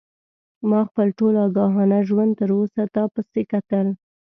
ما خپل ټول آګاهانه ژوند تر اوسه تا پسې کتل.